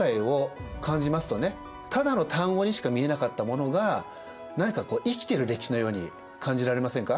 ただの単語にしか見えなかったものが何か生きてる歴史のように感じられませんか？